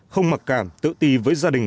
không mặc cảm tự ti với gia đình